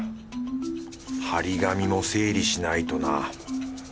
貼り紙も整理しないとな。